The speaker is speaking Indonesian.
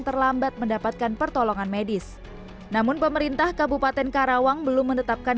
terlambat mendapatkan pertolongan medis namun pemerintah kabupaten karawang belum menetapkan